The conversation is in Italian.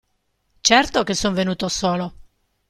Certo che son venuto solo!